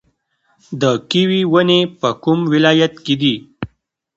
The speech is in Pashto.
د کیوي ونې په کوم ولایت کې دي؟